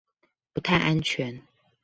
不太安全